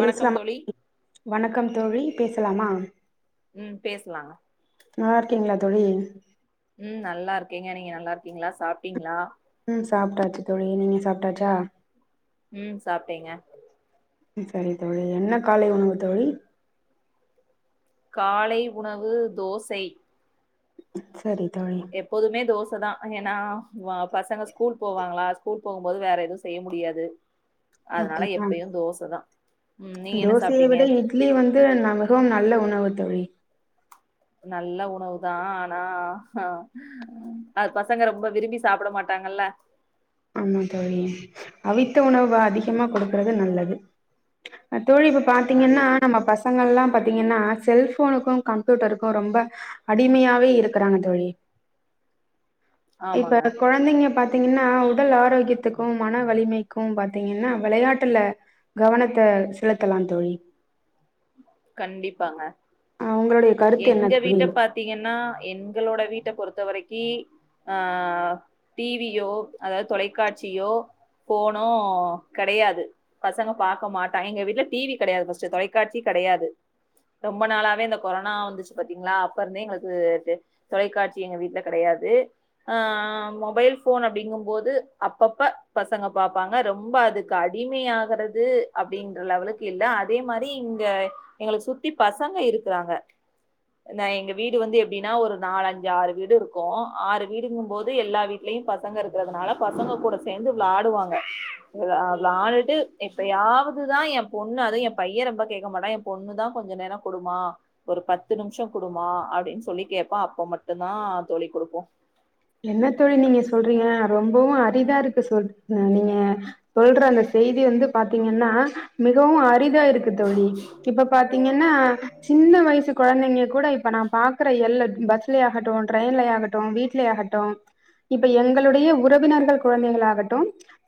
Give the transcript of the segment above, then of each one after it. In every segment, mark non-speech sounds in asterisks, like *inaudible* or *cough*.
வணக்கம் தோழி வணக்கம் தோழி பேசலாமா ம் பேஸ்லா நல்லாருக்கீங்ளா தோழி ம் நல்லாருக்கேங்க நீங்க நல்லாருக்கீங்ளா சாப்ட்டீங்ளா ம் சாப்ட்டாச்சு தோழி நீங்க சாப்ட்டாச்சா ம் சாப்ட்டேங்க ம் செரி தோழி என்ன காலை உணவு தோழி காலை உணவு தோசை சரி தோழி எப்போதுமே தோச தா ஏனா வ பசங்க ஸ்கூல் போவாங்ளா ஸ்கூல் போம்போது வேற எதுவு செய்ய முடியாது அதனால அப்டியா எப்பயு தோசதா ம் நீங்க என்ன தோசையை சாப்ட்டீங்க விட இட்லி வந்து ந மிகவும் நல்ல உணவு தோழி நல்ல உணவு தா ஆனா ஹ அது பசங்க ரொம்ப விரும்பி சாப்பிட மாட்டாங்கல்ல ஆமா தோழி அவித்த உணவு அதிகமா கொடுக்குறது நல்லது தோழி இப்ப பாத்தீங்கன்னா நல்லது நம்ம பச பசங்கள்லா பாத்திங்கன்னா செல்ஃபோனுக்கு கம்ப்யூட்டருக்கு ரொம்ப அடிமையாவே இருக்கறாங்க தோழி *inaudible* இப்ப ஆமாங்க குழந்தைங்க பாத்தீங்கன்னா உடல் ஆரோக்கியத்துக்கு மன வலிமைக்கு பா த்தீங்கன்னா விளையாட்டுல கவனத்த செலுத்தலா தோழி கண்டிப்பாங்க அ உங்களுடைய கருத்து என்ன எங்க தோழி வீட்ட பாத்தீங்கன்னா எங்களோட வீட்ட பொறுத்த வரைக்கி அ டி வியோ அதாவது தொலைக்காட்சியோ ஃபோனோ கடையாது பசங்க பாக்க மாட்டாஎங்க வீட்ல டி வி கடையாது ஃபஸ்ட்டு தொலைக்காட்சி கடையாது ரொம்ப நாளாவே இந்த கொரோனா வந்துச்சு பாத்தீங்களா அப்ப இருந்தே எங்களுக்கு தொலைக்காட்சி எங்க வீட்ல கடையாது அ மொபைல் ஃபோன் அப்படிங்கும்போது அப்பப்ப பசங்க பாப்பாங்க ரொம்ப அதுக் அடிமையாகறது அப்டின்ற லெவலுக்கு இல்ல அதே மாரி இங்க எங்களக்கு சுத்தி பசங்க இருக்கறாங்க ந எங்க வீடு வந்து எப்டின்னா ஒரு நாலஞ்சு ஆறு வீடு இருக்கு ஆறு வீடுங்கும்போது எல்லா வீட் லையும் பசங்க இருக்கறதுனால பசங்க கூட சேர்ந்து விளாடுவாங்க விளான்டுட்டு எப்பயாவதுதா எபொண்ணு அது எ பையன் ரொம்ப கேக்க மாட்டா எ பொண்ணு தா கொஞ்ச நேரோ குடுமா ஒரு பத்து நிம்ஷோ குடுமா அப்படின்னு சொல்லி கேப்ப அப்ப மட்டுதா தோழி கொடுப்போ என்ன தோழி நீங்க சொல்றீங்க ரொம்பவு அரிதா இருக்கு சொ நீங்க சொல்ற அந்த செய்தி வந்து பாத்தீங்கன்னா மிகவு அரிதா இருக்கு தோழி இப்ப பாத்தீங்கன்னா சின்ன வயசு குழந்தைங்களுக் கூட இப்ப நா பாக்கற எல்ல பஸ்லைய ஆகட்டு ட்ரெயின்லைய ஆகட்டு வீ்ட்லேயகட் டு இப்ப எங்களுடைய உறவினர்கள் குழந்தைகள் ஆகட்டு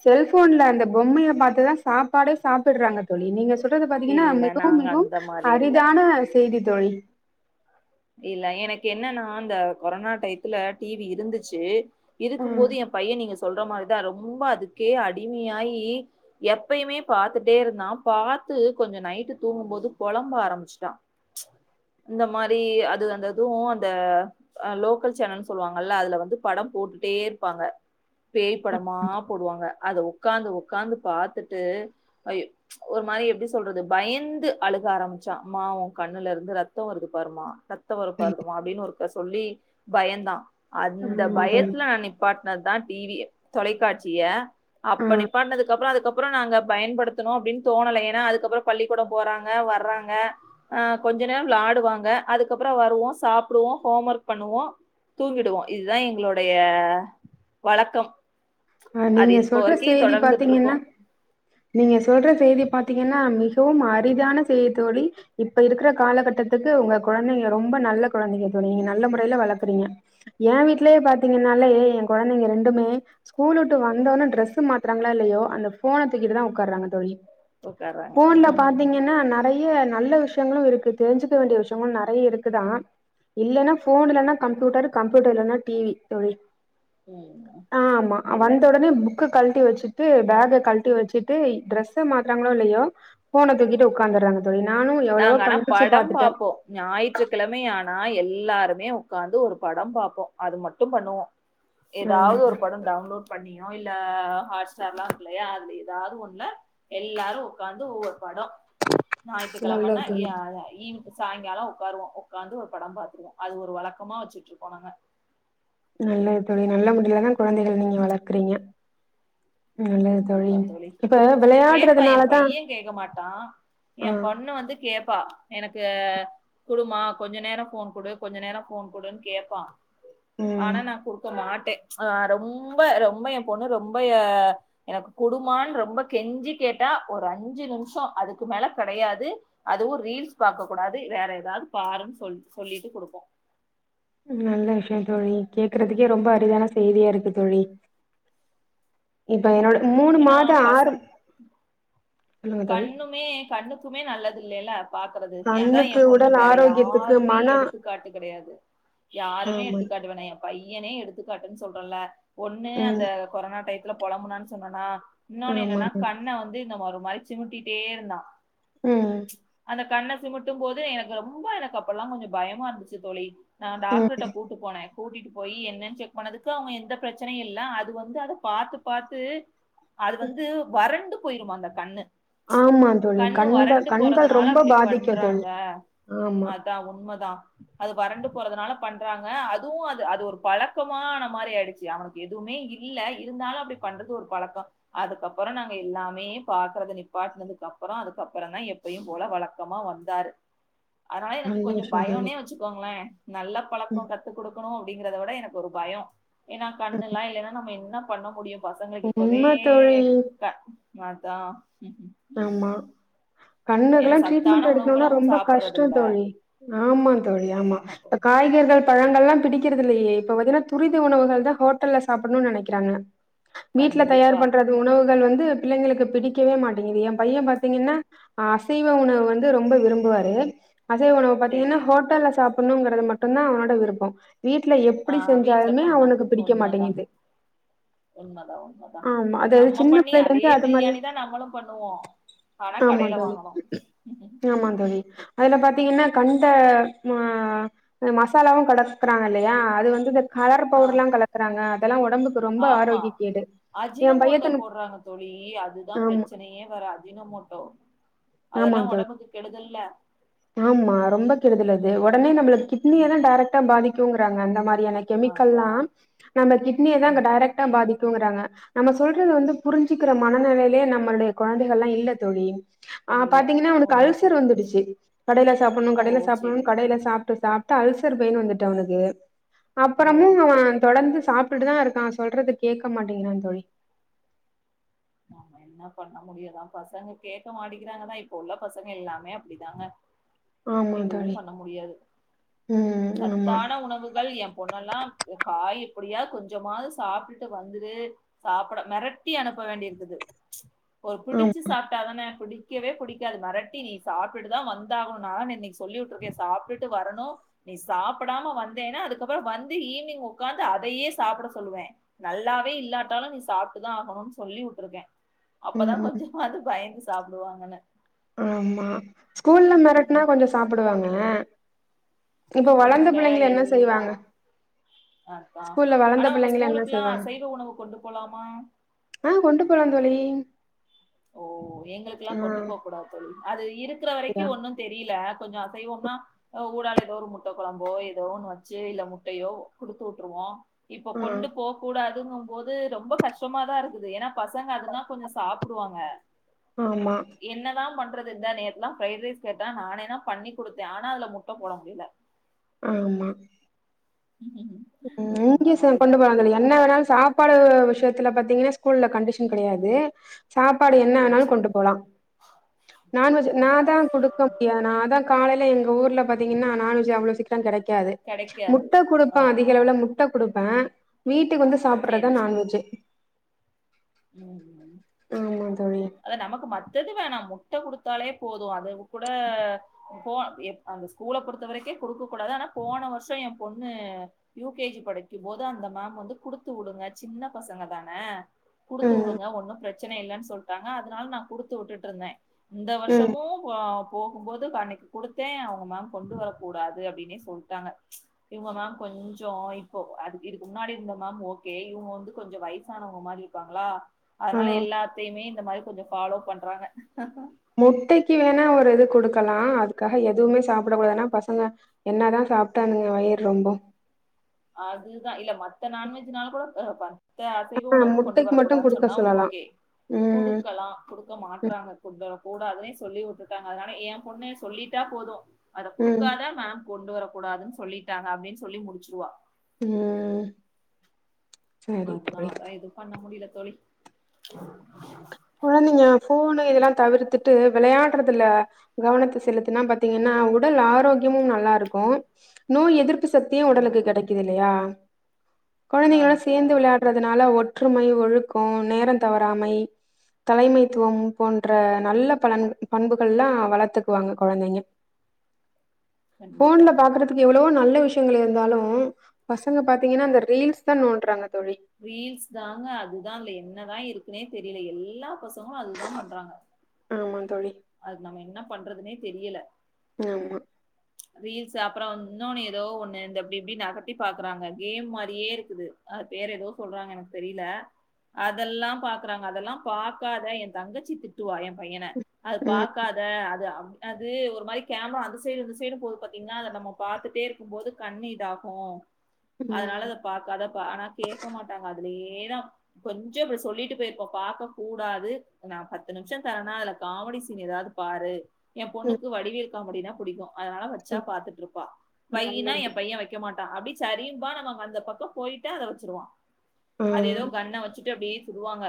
செல்ஃபோன்ல அந்த பொம்மைய பாத்துதா சாப்பாடே சாப்படுறாங்க தோழி நீங்க சொல்றது பாத்தீங்கன்னா இல்ல மிகவும் நாங்க மிகவும் அந்த மாரி இல்ல அரிதான செய்தி தோழி இல்ல எனக்கு என்னன்னா அந்த கொரோனா டையத்துல டி வி இருந்துச்சு ஆ இருக்கும் போது எ பையன் நீங்க சொல்ற மாரிதா ரொம்ப அதுக்கே அடிமையாயி எப்பயுமே பாத்துட்டே இருந்தா பாத்து கொஞ்சோ நைட்டு தூங்கும் போது பொலம்ப ஆரம்பிச்சுட்டா இந்த மாரி அது அந்ததுஅந்த அ லோக்கல் சேனல்னு சொல்லுவாங்கல்ல அதுல வந்து படோ போட்டுட்டே இருப்பாங்க பேய் படமா போடுவாங்க அத உக்காந்து உக்காந்து பாத்துட்டு அய்யோ ஒரு மாரி எப்படி சொல்றது பயந்து அழுக ஆரம்பிச்சா அம்மா ஓ கண்ணுல இருந்து ரத்தோ வருது பாருமா ரத்தோ வரு பாருங்கமா அப்டின்னு ஒருக்க சொல்லி பயந்தா அந்த ஆமா தோழி பயத்துல நா நிப்பாட்னதுதா டி விய தொலைக்காட்சிய அப்ப ஆ நீப்பாட்னதுக்கப்புறோ அதுக்கப் புறோ நாங்க பயன்படுத்தணோ அப்டின்னு தோணல ஏனா அதுக்கப்புறோ பள்ளிக்கூடோ போறாங்க வர்றாங்க அ கொஞ்ச நேரோ விளாடுவாங்க அதுக்கப்புறோ வருவோ சாப்டுவோ ஹோம் ஒர்க் பண்ணுவோ தூங்கிடுவோ இதுதா எங்களுடைய வழக்கம் அ அது நீங்க இப்போ சொல்ற வரைக்கு செய்தி தொடர்ந்துட்டு இருக்கோ பாத்தீங்கனா நீங்க சொல்ற செய்தி பாத்தீங்கன்னா மிகவும் அரிதான செய்தி தோழி இப்ப இருக்கிற கால கட்டத்துக்கு உங்க கொழந்தைங்க ரொம்ப நல்ல கொழந்தைங்க தோழி நீங்க நல்ல முறையில வளக்குறீங்க ஏ வீட்லயே பாத்தீங்கன்னாலய ஏ கொழந்தைங்க ரெண்டுமே ஸ்கூல் விட்டு வந்தோன்ன டிரெஸ்சு மாத்துராங்களோ இல்லயோ அந்த போனத்தூக்கிட்டுதா உக்காறாங்க தோழி உட்காறாங்க போன்ல பாத்தீங்கன்னா நெறைய நல்ல விஷய விஷயங்களு இருக்கு தெரிஞ்சுக்க வேண்டிய விஷயங்களு நெறைய இருக்குதா இல்லன்னா ஃபோன் இல்லன்னா கம்ப்யூட்டர் கம்ப்யூட்டர் இல்லன்னா டிவி தோழி ம் ஆமா இல்ல வந்த ஒடனே புக்க கழட்டி வெச்சுட்டு பேக்க கழட்டி வெச்சிட்டு டிரெஸ்ச மாத்துறாங்களோ இல்லயோ போனை தூக்கிட்டு உக்காந்தறாங்க தோழி நானு எவ்ளவோ கண்டிச்சு பாத்துட்ட ஞாயிற்றுக்கிழமையை ஆனா எல்லாருமே உக்காந்து ஒரு படம் பாப்போ அது மட்டு பண்ணுவோ எதாவது ம் ஒரு படோ டவுன்லோட் பண்ணியே இல்ல ஹாட்ஸ்டார்ல்லா இருக்கு இல்லயா அதுல எதாவது ஒன்னுல எல்லாரு உக்காந்து ஒவ்வொரு படோ நல்லது ஞாயித்துக்கெழமன்னா தோழி ஏ ஈவ்னிங் சாயங்காலோ உக்காருவோ உக்காந்து ஒரு படம் பாத்துருவோ அது ஒரு வழக்கமா வெச்சுட்டு இருக்கோ நாங்க நல்லது தோழி நல்ல முறையாதா கொழந்தைகள நீங்க வளக்குறீங்க கண்டிப்பா தோழி இப்ப கேட்பா ஏ விளையாடுறதுனாலதா பைய கேட்க மாட்டா ஏ ஆ பொண்ணு வந்து கேப் பா எனக்கு குடுமா கொஞ்ச நேரோ ஃபோன் குடு கொஞ்ச நேரோ ஃபோன் குடுன்னு கேப்பா ம் ஆனா நா குடுக்க மாட்டே ஆ ரொம்ப ரொம்ப ஏ பொண்ணு ரொம்ப ஆ எனக்கு குடுமான்னு ரொம்ப கெஞ்சி கேட்டா ஒரு அஞ்சு நிமிஷோ அதுக்கு மேல கெடையாது அதுவு ரீல்ஸ் பாக்க கூடாது வேற எதாவது பாருன்னு சொல் சொல்லிட்டு குடுப்போ நல்ல விஷயோ தோழி கேக்குறதுக்கே ரொம்ப அரிதான செய்தியா இருக்கு தோழி இப்ப என்னோட மூணு ஏன்னா மாத ஆறு பசங்க சொல்லுங்க தோழி கண்ணுமே கண்ணுக்குமே நல்லது இல்லல்ல பாக்குறது ஏ அதா ஏ கண்ணுக்கு பொண்ணு உடல் வேற ஆரோக்கியத்துக்கு யாருமே மன எடுத்துக்காட்டு கெடையாது யாருமே ஆமா எடுத்துக்காட்டு வேணா ஏ பையனே எடுத்துக்காட்டுன்னு சொல்றேல ஒன்னு அந்த ம் கொரோனா டையத்துல போலமுனான்னு சொன்னேனா இன்னொன்னு ஆமா என்னன்னா தோழி. கண்ண வந்து இந்த மா ஒரு மாரி சிமிட்டிட்டே இருந்தா ம் கண்ண சிமிட்டும் போது எனக்கு ரொம்ப எனக்கு அப்பெல்லா கொஞ்சோ பயமா இருந்துச்சு தோழி நா ம் டாக்டர்ட்ட கூட்டு போனே கூட்டிட்டு போய் என்னன்னு செக் பண்ணதுக்கு அவங்க எந்த பிரச்சனையு இல்ல அது வந்து அத பாத்து பாத்து அது வந்து வறண்டு போயிரும அந்த கண்ணு ஆமா தோழி கண்ணு கண்கள் வறண்டு கண்கள் போறதுனால ரொம்ப அப்டி பாதிக்கும் தோழி பண்றாங்க ஆமா அதா உண்மதா அது வறண்டு போறதுனால பண்றாங்க அதுவு அது அது ஒரு பழக்கமான மாரி ஆயிடுச்சு அவனுக் எதுவுமே இல்ல இருந்தாலு அபடி பண்றது ஒரு பழக்கோ அதுக்கப்றோ நாங்க எல்லாமே பாக்குறது நிப் நிப்பாட்டனதுக்கு அப்றோ அதுக்கப்றோ தா எப்பையு போல வழக்கமா வந்தாரு அதனால எனக்கு நல்ல கொஞ்சோ விஷயம் தோழி பயோன்னே வெச்சு கோங்களே நல்ல பழக்கோ ம் கத்து குடுக்கணு அப்படிங்கறத விட எனக்கு ஒரு பயோ ஏன்னா ம் கண்ணுல்லா இல்லன்னா நம்ம என்ன பண்ண முடியு பசங்களுக்கு இப்பவே உண்ம தோழி கண் அதா ஆமா கண்ணுக்கல்லா சத்தான ட்ரீட்மெண்ட் எடுக்கனுன்னா உணவுகளும் ரொம்ப சாப்பிடுறது கஷ்ட இல்ல. தோழி ஆமா தோழி ஆமா இப்ப காய் கறிகள் பழங்கள் எல்லா பிடிக்கறது இல்லயே இப்ப பாத்தீங்கன்னா துரித உணவுகள் தா ஹோட்டல்ல சாப்டணுனு நெனைக்கிறாங்க வீட்ல தயார் கண்டிப்பா. பண்ற அந்த உணவுகள் வந்து பிள்ளைங்களுக்கு பிடிக்கவே மாட் ட்டேங்குது என் பையன் பாத்தீங்கன்னா அசைவ உணவு வந்து ரொம்ப விரும்புவாரு அசைவ உணவு பாத்தீங்கன்னா சரி. ஹோட்டல்ல சாப்டணுங்கறது மட்டும்தா அவனோட விருப்பம் வீட்டுல ஆ எப்படி வீட்ல செஞ்சாலுமே பண்ணா அவனுக்கு பிடிக்க உண்மதா மாட்டேங்குது உண்மதா உண்மதா ஆமா அது அது நம்ம சின்ன பண்ணி பிள்ளைல அதே இருந்து அது மாரி பிரியாணி தா நம்மளும் பண்ணுவோம் ஆமா தோழி ஆமா தோழி அதுல பாத்தீங்கன்னா கண்ட மசாலாவும் கலக்குறாங்க இல்லையா அது வந்து கலர் ஆ பவுடர்லா கலக்குறாங்க அதெல்லா உடம்புக்கு ஆமா அஜினமோட்டோ பையத்தனுக் போடுறாங்க தோழி அதுதா ஆமா பிரச்சனையே வர அஜினமோட்டோ ஆமா அதெல்லா தோழி உடம்புக்கு கெடுதல்ல ஆமா ரொம்ப கெடுதலது உடனே நம்மளுக்கு கிட்னிய தா டரெக்டா பாதிக்குங்கறாங்க அந்த மாதிரியான அதா கெமிக்கல்லா நம்ம கிட்னியதா அங்க ம் டரெக்டா பாதிக்குங்கறாங்க நம்ம சொல்றது வந்து புரிஞ்சுக்கிற மனநிலையிலயே நம்மளுடைய குழந்தைகள் எல்லா இல்ல தோழி ஆ இல்ல பாத்தீங்கன்னா அவனுக்கு உண்மதா அல்சர் வந்துடுச்சு கடையில சாப்டணும் ஓ கடையில சாப்டணும் செரி கடையில சாப்ட்டு சாப்ட்டு அல்சர் பெயின் வந்துட்டு அவனுக்கு ஓ அப்புறமும் அவன் தொடர்ந்து சாப்ட்டு தா இருக்கா சொல்றது கேக்க மாட்டேங்குறா தோழி நம்ம என்ன பண்ண முடியுதா பசங்க கேக்க மாட்டிக்கிறாங்கதா இப்ப உள்ள பசங்க எல்லாமே அப்படிதாங்க ஆமா எதுவும் தோழி பண்ண முடியாது ம் ஆமா சத்தான உணவுகள் எப் பொண்ணெல்லா காய் எப்படியா கொஞ்சமாவது சாப்ட்டுட்டு வந்துரு சாப்பட மிரட்டி அனுப்ப வேண்டி இருக்குது ஒரு ஆம் பிடிச்சு சாப்ட்டாதான பிடி க்கவே பிடிக்காது மிரட்டி நீ சாப்ட்டுட்டுதா வந்தாகணும்னால இன்னைக்கு சொல்லி விட்டுருக்கே சாப்பிட்டுட்டு வரணும் நீ சாப்பிடாம வந்தேனா அதுக்கப்புறம் வந்து ஈவினிங் உக்காந்து அதையே சாப்பிட சொல்லுவேன் நல்லாவே இல்லாட்டாலு நீ சாப்பிட்டுதா ஆகணுனு சொல்லி விட்ருக்கே அப்பதா ம் கொஞ்சமாது பயந்து சாப்பிடுவாங்கன்னு ஆமா ஸ்கூல்ல மெரட்னா கொஞ்சம் சாப்பிடுவாங்கள இப்ப வளந்த ஸ்கூல்ல பிள்ளைங்கள என்ன செய்வாங்க அதா ஸ்கூல்ல வளர்ந்த ஆனா உங்க பிள்ளைங்கள என்ன ஸ்கூலுக்குல்லா செய்வாங்க அசைவ உணவு கொண்டு போலாமா ஆ கொண்டு போலாம் தோழி ஓ எங்களுக்குல்லா ஆ கொண்டு போக கூடாது தோழி அது இருக்குற அப்டியா வரைக்கும் ஒன்னும் தெரியல கொஞ்சா அசைவம்னா ஊடால ஏதோ ஒரு முட்ட குழம்போ ஏதோ ஒன்னு வச்சு இல்ல முட்டையோ குடுத்து விட்டுருவோம் இப்ப ஆ கொண்டு போக கூடாதுங்கும் போது ரொம்ப கஷ்டமா தா இருக்குது ஏன்னா பசங்க அதனா கொஞ்சம் சாப்ப டுவாங்க ஆமா என்னதா பண்றது இந்த நேத்துல்லா ப்ரைட் ரைஸ் கேட்டா நானேதா பண்ணி குடுத்தேன் ஆனா அதுல முட்ட போட முடியல ஆமா ம்ம் உம் இங்கயே கொண்டு போறா தோழி என்ன வேணாலும் சாப்ப ப்பாடு விஷயத்துல பாத்தீங்கன்னா ஸ்கூல்ல கண்டிஷன் கிடையாது சாப்பாடு என்ன ஓ வேணாலும் கொண்டு சேரி போலாம் நான்வெஜ் நா தா பரவால்ல குடுக்க முடியாது நா தா காலையில எங்க ஊர்ல பாத்தீங்கன்னா நான்வெஜ் அவ்வளோ சீக்கிரம் கிடைக்காது கெடைக்காது முட்ட கொடுப்ப ஆ அதிகளவில முட்ட குடுப்பேன் வீட்டுக்கு வந்து சாப்பிடுறதா சேரி சேரி நான்வெஜ்ஜே ம் ம் ஆமா தோழி அத நமக்கு மத்தது வேணாம் முட்ட குடுத்தாலே போதும் அது கூட போ அந்த ஸ்கூல்ல பொறுத்த வரைக்கே குடுக்க கூடாது ஆனா போன வருஷம் என் பொண்ணு யூகேஜி படிக்கும் போது அந்த மேம் வந்து குடுத்து விடுங்க சின்ன பசங்க தான குடுத்து ம் விடுங்க ஒன்னு பிரச்சன இல்லன்னு சொல்டாங்க அதனால நா குடுத்து விட்டுட்டு இருந்தே இந்த ம் வருஷமு போ போகும்போது அன்னைக்கு குடுத்தே அவங்க மேம் கொண்டு வரக் கூடாது அப்டின்னே சொல்டாங்க இவங்க மேம் கொஞ்சோ இப்போ அதுக்கு இதுக்கு முன்னாடி இருந்த மேம் ஓகே இவங்க வந்து கொஞ்சோ வயசானவங்க மாரி இருப்பாங்களா அதனால ஓ எல்லாத்தயுமே இந்த மாரி கொஞ்சோ பாலோ பண்றாங்க முட்டைக்கு வேணா ஒரு இது குடுக்கலா அதுக்காக எதுவுமே சாப்டக்கூடாதுன்னா பசங்க என்னதா சாப்ட்டு அதுங்க வயிறு ரொம்பு அதுதா இல்ல மத்த நான்வெஜ்னால கூட பர த அசைவ ஆ உணவு கொண்டு முட்டைக்கு மட்டு வரக்கூடாதுன்னு குடுக்க சொன்னா சொல்லலா ஓகே ம் குடுக்கலா குடுக்க மாட்றாங்க ஃபுட்ட கூடாதுன்னே சொல்லி விட்டுட்டாங்க அதனால ஏ பொண்ணு சொல்லிட்டா போது அத ம் குடுக்காத மேம் கொண்டு வரக்கூடாதுன்னு சொல்லிட்டாங்க அப்டின்னு சொல்லி முடிச்சிருவா ம் சரி தோழி அதுனால எதுவு பண்ண முடில தோழி கொழந்தைங்க ஃபோனு இதெல்லா தவிர்த்துட்டு விளையாடுறதுல கவனத்த செலுத்துனா பாத்தீங்கன்னா உடல் ஆரோக்கியமும் நல்லா இருக்கு நோய் எதிர்ப் பு சக்தியு ஆமா உடலுக்கு தோழி கிடைக்குது இல்லையா ஆமா கொழந்தைகளோட தோழி சேந்து ஆமா தோழி விளையாடுறதுனால ஒற்றுமை ஒழுக்கோ நேரோ தவறாமை தலைமைத்துவம் போன்ற நல்ல பலன் பண்புகள்ல்லா வளத்துக்குவாங்க கொழந்தைங்க ஃபோன்ல கண்டிப்பாங்க பாக்குறது க்கு எவ்வளவோ நல்ல விஷயங்கள் இருந்தாலு பசங்க பாத்தீங்கன்னா இந்த ரீல்ஸ் தா நோண்டுறாங்க தோழி ரீல்ஸ் தாங்க அதுதா அதுல என்னதா இருக்குன்னே தெரியல எல்லா பசங்களு அதுதா பண்றாங்க ஆமா தோழி அது நம்ம என்ன பண்றதுன்னே தெரியல ஆமா ரீல்ஸ் அப்பறோ இன்னொன்னு ஏதோ ஒண்ணு இந்த இப்டி இப்டின்னு நகத்தி பாக்குறாங்க கேம் மாரியே இருக்குது அது பேரு ஏதோ சொல்றாங்க எனக்கு தெரியல அதெல்லா பாக்குறாங்க அதெல்லா பாக்காத ஏ தங்கச்சி திட்டுவா ஏ பையன அது ம். பாக்காத அது அது ஒரு மாதிரி கேமரா அந்த சைடு இந்த சைடு போது பாத்தீங்கன்னா அத நம்ம பாத்துட்டே இருக்கும் போது கண்ணு இதாகு அதனால ம். அத பாக்காதம்பா ஆனா கேக்க மாட்டாங்க அதுலயேதா கொஞ்ச இப்டி சொல்லிட்டு போயிருப்போ பாக்க கூடாது நா பத்து நிமிசோ தரேனா அதுல காமெடி சீன் ஏதாவது பாரு ஏ ம். பொண்ணுக்கு வடிவேல் காமெடின்னா பிடிக்கு அதனால வச் சா ம். பாத்துட்டு இருப்பா வைய்ன்னா ஏ நல்லது. பையே வைக்க மாட்டா அப்டி சரிம்பா நம்ம அந்த பக்கோ போயிட்டா அத வச்சிருவா ஆ. அது ஏதோ கன்ன வச்சு அப்டியே சுடுவாங்க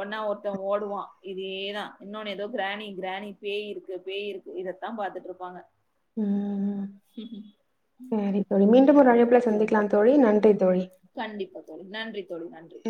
ஒண்ணே ஒருத்தே ஓடுவா இதேதா இன்னொன்னு ஏதோ கிராணி கிராணி பேய் இருக்கு பேய் இருக்கு இதத்தா பாத்துட்டு இருப்பாங்க ம் ம் ம்ம் சேரி தோழி மீண்டும் ஒரு அழைப்புல சந்திக்கலா தோழி நன்றி தோழி கண்டிப்பா தோழி நன்றி தோழி நன்றி